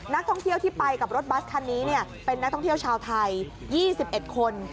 นักท่องเที่ยวที่ไปกับรถบัสคันนี้เป็นนักท่องเที่ยวชาวไทย๒๑คน